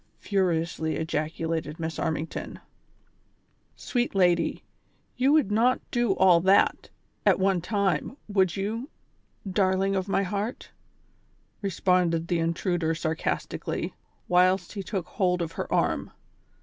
" furiously ejaculated Miss Armington. THE CONSPIRATORS AND LOVERS. 89 "Sweet Lady, you would not do all that, at one time, would you, darling of my heart V " responded the intruder sarcastically, whilst he took hold of her arm.